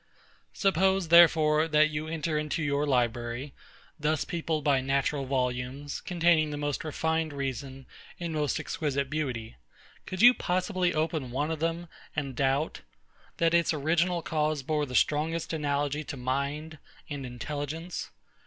Suppose, therefore, that you enter into your library, thus peopled by natural volumes, containing the most refined reason and most exquisite beauty; could you possibly open one of them, and doubt, that its original cause bore the strongest analogy to mind and intelligence?